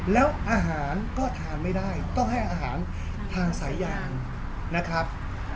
แล้วอาหารก็ทานไม่ได้ต้องให้อาหารทางสายยางนะครับ